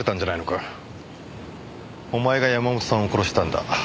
お前が山本さんを殺したんだ。